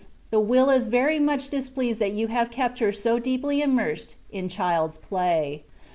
the will is very much displeased that you have kept her so deeply immersed in children's play.